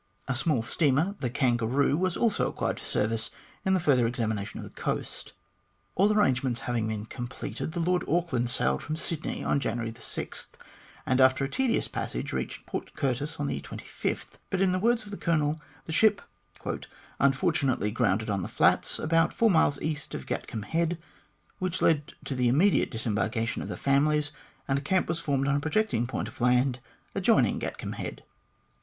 A small steamer, the Kangaroo, was also acquired for service in the further examination of the coast. All arrangements having been completed, the Lord Auckland sailed from Sydney on January 6, and after a tedious passage,, reached Port Curtis on the 25th, but, in the words of the Colonel, the ship " unfortunately grounded on the flats, about four miles east of Gatcombe Head, which led to the immediate disembarkation of the families, and a camp was formed on a, projecting point of land, adjoining Gatcombe Head."